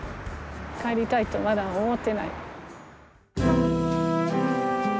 帰りたいとまだ思ってない。